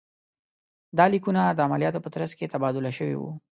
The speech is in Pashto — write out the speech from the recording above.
دا لیکونه د عملیاتو په ترڅ کې تبادله شوي وو.